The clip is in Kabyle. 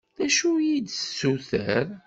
D acu i yi-d-tessuter?